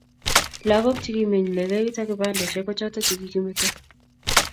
lakok che kimeny ne legit ak kibandesheck ko choto chekikimeto